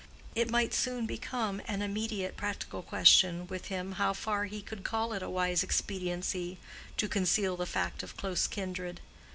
It might soon become an immediate practical question with him how far he could call it a wise expediency to conceal the fact of close kindred.